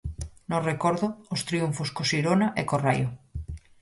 No recordo, os triunfos co Xirona e co Raio.